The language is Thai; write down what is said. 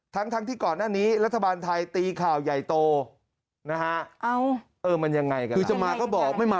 ทั้งทั้งที่ก่อนหน้านี้รัฐบาลไทยตีข่าวใหญ่โตนะฮะ